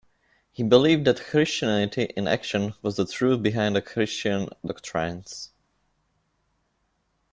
He believed that Christianity in action was the truth behind Christian doctrines.